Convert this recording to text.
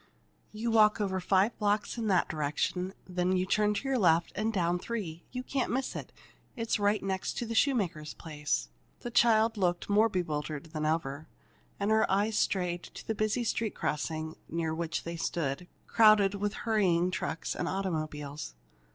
"You walk over five blocks in that direction, then turn to your left and down three. You can't miss it; it's right next to a shoemaker's place." The child looked more bewildered than ever, and her eyes strayed to the busy street crossing near which they stood, crowded with hurrying trucks and automobiles.